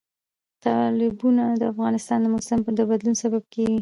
تالابونه د افغانستان د موسم د بدلون سبب کېږي.